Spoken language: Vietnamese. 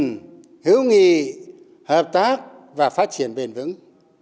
chúc mừng hữu nghị hợp tác và phát triển bền vững